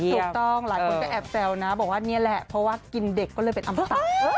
ถูกต้องหลายคนก็แอบแซวนะบอกว่านี่แหละเพราะว่ากินเด็กก็เลยเป็นอำตะ